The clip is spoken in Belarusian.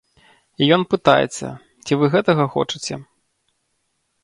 І ён пытаецца, ці вы гэтага хочаце?